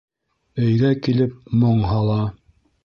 Өйгә килеп моң һала.